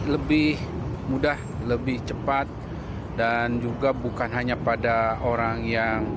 lebih mudah lebih cepat dan juga bukan hanya pada orang yang